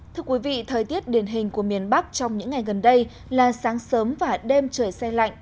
thưa quý vị thời tiết điển hình của miền bắc trong những ngày gần đây là sáng sớm và đêm trời xe lạnh